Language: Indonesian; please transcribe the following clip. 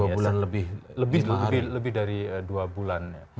dua bulan lebih dari dua bulan ya